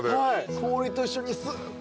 氷と一緒にスーッと。